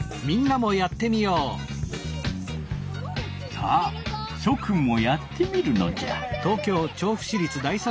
さあしょくんもやってみるのじゃ！